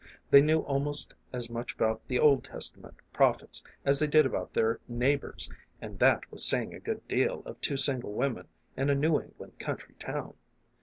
They knew al most as much about the Old Testament prophets as they did about their neighbors ; and that was saying a good deal of two single women in a New England country town.